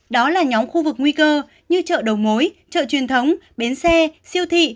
đó là nhóm khu vực nguy cơ như chợ đầu mối chợ truyền thống bến xe siêu thị